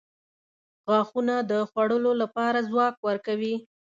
• غاښونه د خوړلو لپاره ځواک ورکوي.